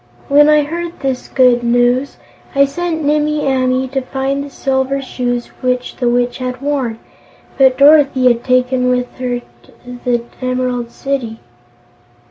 When I heard this good news, I sent Nimmie Amee to find the Silver Shoes which the Witch had worn, but Dorothy had taken them with her to the Emerald City."